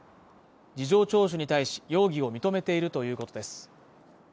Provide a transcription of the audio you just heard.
事情聴取に対し、容疑を認めているということです。